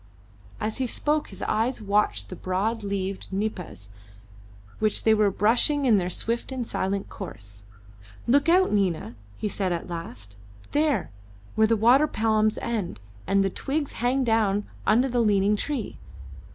As he spoke his eyes watched the broad leaved nipas which they were brushing in their swift and silent course. "Look out, Nina," he said at last; "there, where the water palms end and the twigs hang down under the leaning tree.